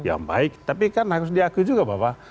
yang baik tapi kan harus diakui juga bahwa